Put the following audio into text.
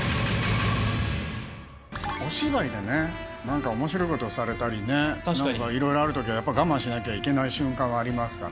お芝居でね、なんかおもしろいことをされたりね、いろいろあるときは、やっぱ我慢しなきゃいけない瞬間はありますから。